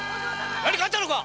何かあったのか？